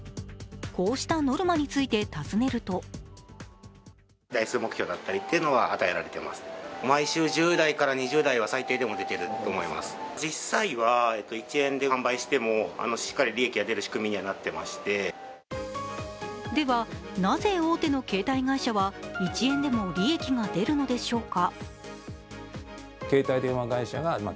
こうしたノルマについて尋ねるとでは、なぜ大手の携帯会社は１円でも利益が出るのでしょうか。